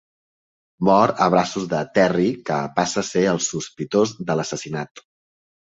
Mor a braços de Terry, que passa a ser el sospitós de l'assassinat.